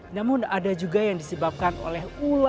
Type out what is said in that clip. namun ada juga yang disebabkan oleh ular